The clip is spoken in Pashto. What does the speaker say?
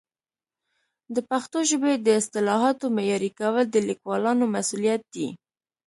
د پښتو ژبې د اصطلاحاتو معیاري کول د لیکوالانو مسؤلیت دی.